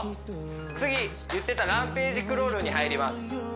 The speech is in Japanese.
次言ってたランペイジクロールに入ります